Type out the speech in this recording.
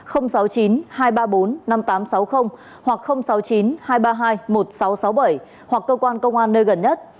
hoặc sáu mươi chín hai trăm ba mươi hai một nghìn sáu trăm sáu mươi bảy hoặc cơ quan công an nơi gần nhất